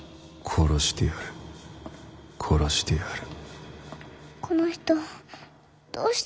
殺してやる殺してやる。